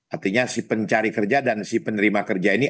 artinya si pencari kerja dan si penerima kerja ini